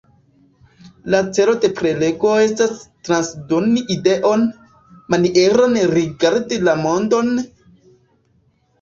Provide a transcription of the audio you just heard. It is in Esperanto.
La celo de prelego estas transdoni ideon, manieron rigardi la mondon...